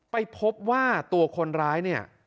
ไปพบว่าตัวคนร้ายเนี่ย